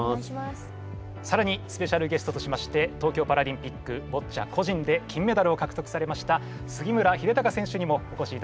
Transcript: さらにスペシャルゲストとしまして東京パラリンピックボッチャ個人で金メダルをかくとくされました杉村英孝選手にもおこしいただいています。